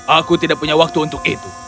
aku tidak punya waktu untuk itu